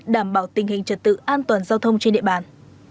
đảm bảo tình hình trật tự an toàn giao thông trên địa bàn